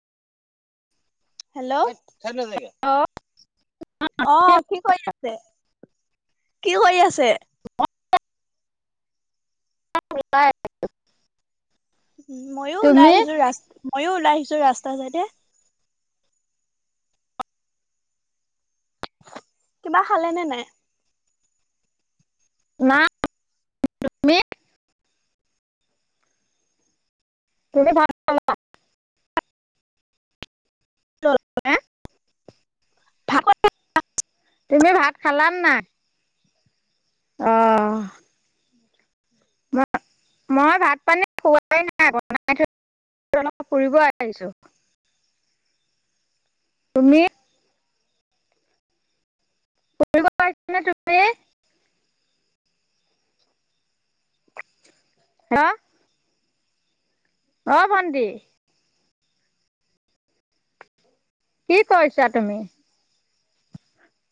Hello. Hello [unintelligible] অ' কি কৰি আছে, কি কৰি আছে? [unintelligible] [unintelligible] উ মইয়ো ওলাই তুমি আহিছো ৰা মইয়ো ওলাই আহিছো ৰাস্তা চাইডে। কিবা খালে নে নাই? না তুমি তুমি ভাত খালা [unintelligible] তুমি ভাত খালা নে নাই? অ। মই ভাত পানী খোৱাই নাই, বনাই থৈ অলপ ফুৰিব আহিছো। তুমি? ফুৰিব আহিছা নে তুমি? হা? অ ভণ্টি, কি কৰিছা তুমি?